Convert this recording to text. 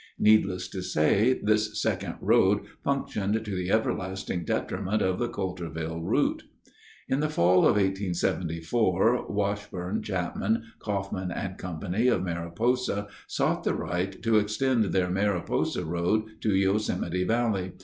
Needless to say, this second road functioned to the everlasting detriment of the Coulterville route. In the fall of 1874, Washburn, Chapman, Coffman and Company of Mariposa sought the right to extend their Mariposa Road to Yosemite Valley.